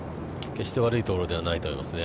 決して悪いところではないと思いますね。